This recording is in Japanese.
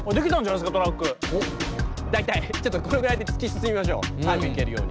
大体ちょっとこれぐらいで突き進みましょう。